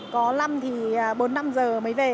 có lâm thì bốn năm giờ mới về